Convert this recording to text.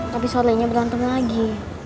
tapi sorenya berantem lagi